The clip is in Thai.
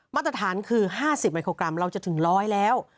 มาตรฐานคือ๕๐มิโครกรัมเราจะถึง๑๐๐แล้ว